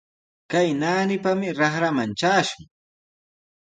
Kay naanipami raqraman trashun.